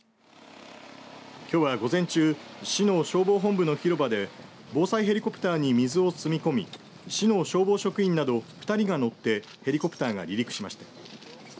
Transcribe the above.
きょうは午前中市の消防本部の広場で防災ヘリコプターに水を積み込み市の消防職員など２人が乗ってヘリコプターが離陸しました。